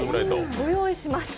ご用意しました。